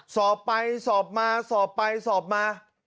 สอบไปสอบมาสอบไปสอบมา